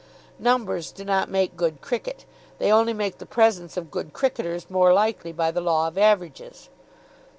Numbers do not make good cricket. They only make the presence of good cricketers more likely, by the law of averages.